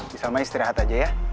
bisalma istirahat aja ya